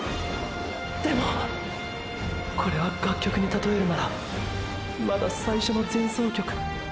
でもこれは楽曲にたとえるならまだ最初の前奏曲。